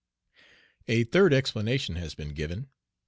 A third explanation has been given.